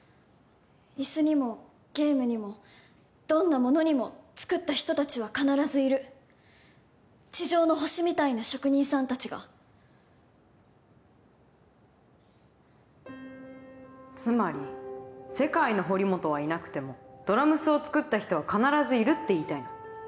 イスにもゲームにもどんなものにも作った人たちは必ずいる地上の星みたいな職人さんたちがつまり世界の堀本はいなくてもドラ娘を作った人は必ずいるって言いたいの？